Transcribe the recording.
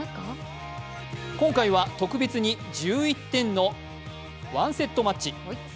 今回は特別に１１点の１セットマッチ。